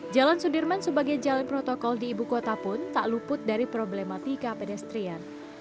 jalan sudirman sebagai jalan protokol di ibu kota pun tak luput dari problematika pedestrian